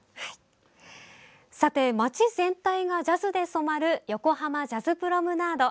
さて、街全体がジャズで染まる横濱ジャズプロムナード。